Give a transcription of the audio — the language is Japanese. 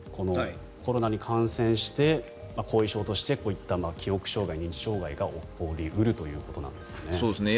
コロナに感染して後遺症としてこういった記憶障害、認知障害が起こり得るということなんですね。